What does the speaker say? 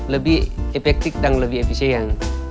lebih efektif dan lebih efisien